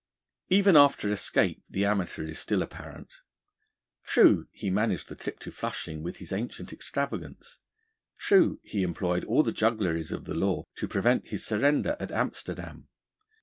Even after escape, the amateur is still apparent. True, he managed the trip to Flushing with his ancient extravagance; true, he employed all the juggleries of the law to prevent his surrender at Amsterdam.